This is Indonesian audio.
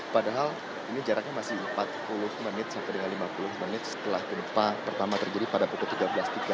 padahal ini jaraknya masih empat puluh menit sampai dengan lima puluh menit setelah gempa pertama terjadi pada pukul tiga belas tiga puluh